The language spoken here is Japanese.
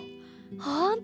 ほんと！